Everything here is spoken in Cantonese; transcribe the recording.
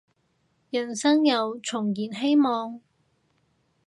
人生又重燃希望